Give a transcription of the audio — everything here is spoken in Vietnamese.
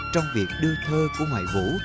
trong việc đưa thơ của hoài vũ